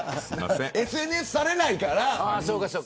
ＳＮＳをされないから。